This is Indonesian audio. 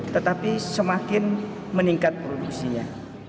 tetapi semakin meningkat produksinya